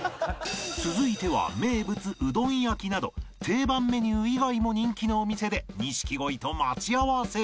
続いては名物うどん焼など定番メニュー以外も人気のお店で錦鯉と待ち合わせ